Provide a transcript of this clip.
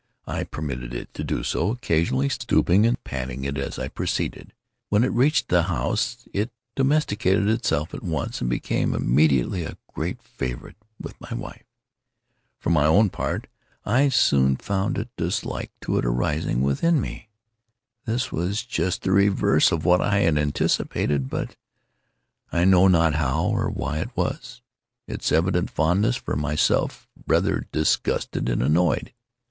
I permitted it to do so; occasionally stooping and patting it as I proceeded. When it reached the house it domesticated itself at once, and became immediately a great favorite with my wife. For my own part, I soon found a dislike to it arising within me. This was just the reverse of what I had anticipated; but—I know not how or why it was—its evident fondness for myself rather disgusted and annoyed.